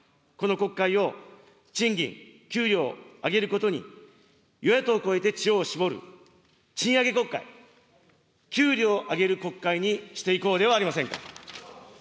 この国会を、賃金、給料を上げることに、与野党超えて知恵を絞る、賃上げ国会、給料を上げる国会にしていこうではありませんか。